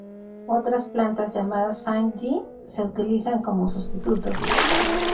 Otras plantas llamadas "fang ji" se utilizan como sustitutos.